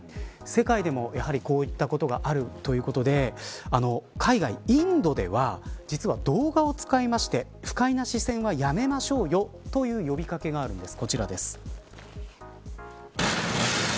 世界でも、やはりこういったことがあるということで海外、インドでは実は動画を使いまして不快な視線はやめましょうという呼び掛けがあるんです。